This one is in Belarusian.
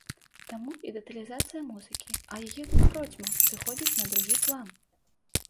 Таму і дэталізацыя музыкі, а яе тут процьма, сыходзіць на другі план.